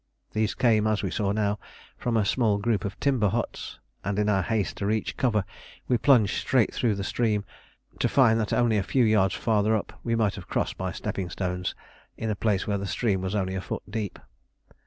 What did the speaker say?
These came, as we now saw, from a small group of timber huts, and in our haste to reach cover we plunged straight through the stream, to find that only a few yards farther up we might have crossed by stepping stones in a place where the stream was only a foot deep.